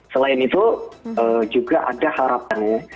selain itu juga ada harapan ya